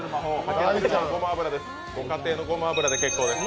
ご家庭のごま油で結構です。